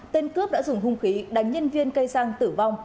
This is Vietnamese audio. tên cướp đã dùng hung khí đánh nhân viên cây xăng tử vong